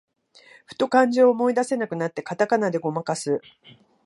ふと漢字を思い出せなくなって、カタカナでごまかす